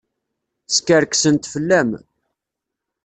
Skerksent fell-am.